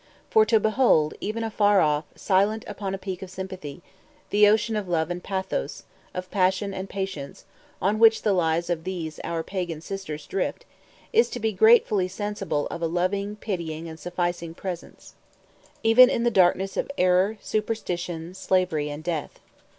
For to behold, even afar off, "silent upon a peak" of sympathy, the ocean of love and pathos, of passion and patience, on which the lives of these our pagan sisters drift, is to be gratefully sensible of a loving, pitying, and sufficing Presence, even in the darkness of error, superstition, slavery, and death.